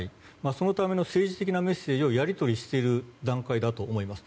そのための政治的なメッセージをやり取りしている段階だと思います。